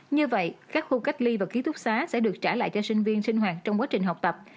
như vậy các khu cách ly và ký túc xá sẽ được trả lại cho sinh viên sinh hoạt trong quá trình học tập